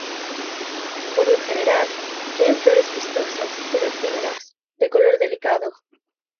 Por lo general, tienen flores vistosas pero efímeras, de color delicado.